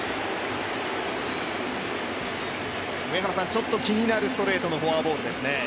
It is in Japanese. ちょっと気になるストレートのフォアボールですね。